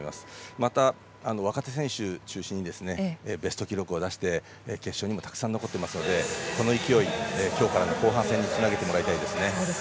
また、若手選手中心にベスト記録を出して決勝にもたくさん残っていますのでこの勢いを今日からの後半戦につなげてもらいたいです。